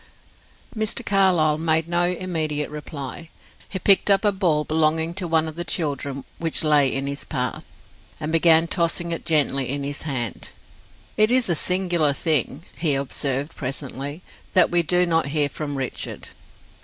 Mr. Carlyle made no immediate reply. He picked up a ball belonging to one of the children, which lay in his path, and began tossing it gently in his hand. "It is a singular thing," he observed, presently, "that we do not hear from Richard."